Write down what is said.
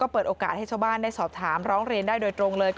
เปิดโอกาสให้ชาวบ้านได้สอบถามร้องเรียนได้โดยตรงเลย